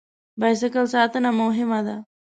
بایسکل ساتنه مهمه ده.